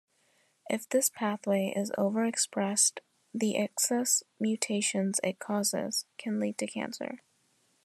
If this pathway is over-expressed the excess mutations it causes can lead to cancer.